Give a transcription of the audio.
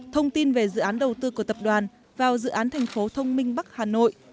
thông tin về dự án đầu tư của tập đoàn vào dự án thành phố thông minh bắc hà nội